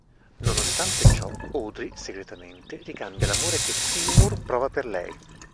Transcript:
Nonostante ciò Audrey segretamente ricambia l'amore che Seymour prova per lei.